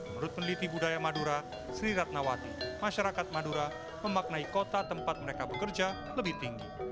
menurut peneliti budaya madura sri ratnawati masyarakat madura memaknai kota tempat mereka bekerja lebih tinggi